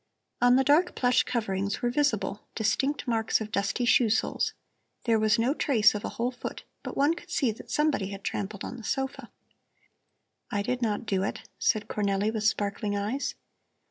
On the dark plush coverings were visible distinct marks of dusty shoe soles. There was no trace of a whole foot, but one could see that somebody had trampled on the sofa. "I did not do it," said Cornelli with sparkling eyes.